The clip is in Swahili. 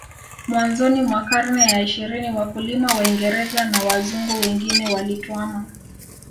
Mwanzoni mwa karne ya ishirini wakulima Waingereza na Wazungu wengine walituama